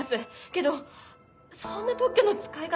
けどそんな特許の使い方って。